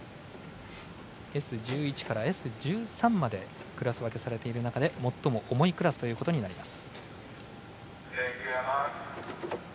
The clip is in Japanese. Ｓ１１からＳ１３までクラス分けされている中で最も重いクラスとなります。